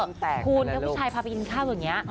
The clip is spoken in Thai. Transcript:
คุณถ้าผู้ชายพาไปกินข้าวอย่างนี้